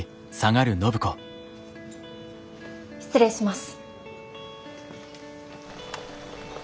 失礼します。